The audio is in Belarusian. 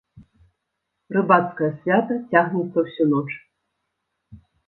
Рыбацкае свята цягнецца ўсю ноч.